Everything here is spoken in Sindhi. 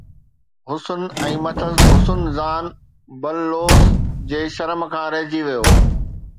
حسن ۽ مٿس حسن زان باللوس جي شرم کان رهجي ويو